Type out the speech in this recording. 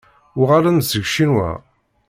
Uɣalen-d seg Ccinwa.